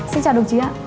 xin chào đồng chí ạ